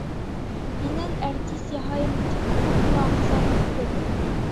Һинән әртис яһайым тип күпме аҡса түктем!